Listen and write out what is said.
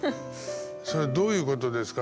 「それどういうことですか？」